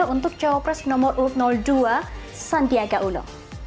untuk cawapres nomor dua sandiaga uno